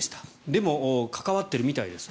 でも関わってるみたいです。